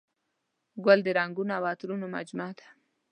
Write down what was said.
ګل د رنګونو او عطرونو مجموعه ده.